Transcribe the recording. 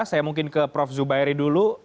saya mungkin ke prof zubairi dulu